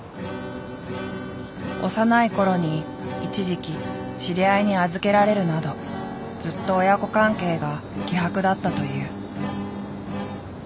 幼い頃に一時期知り合いに預けられるなどずっと親子関係が希薄だったという。